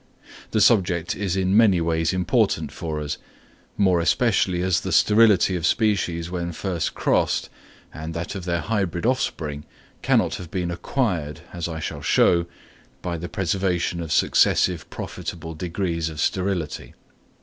The subject is in many ways important for us, more especially as the sterility of species when first crossed, and that of their hybrid offspring, cannot have been acquired, as I shall show, by the preservation of successive profitable degrees of sterility.